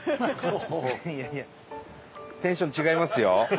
いやいやテンション違いますよ。